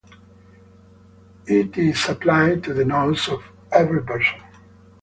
It is applied to the nose of every person.